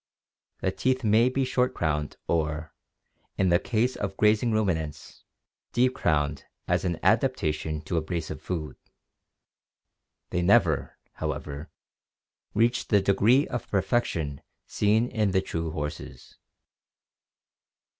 The teeth may be short crowned or, in the case of grazing ruminants, deep crowned as an adapta tion to abrasive food; they never, however, reach the degree of perfection seen in the true horses.